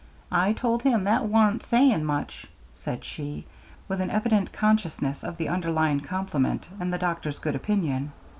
"I told him that wa'n't saying much," said she, with an evident consciousness of the underlying compliment and the doctor's good opinion.